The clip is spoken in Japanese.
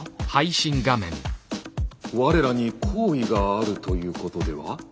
我らに好意があるということでは？